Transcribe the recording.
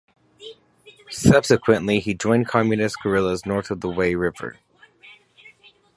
Subsequently, he joined Communist guerillas north of the Wei River.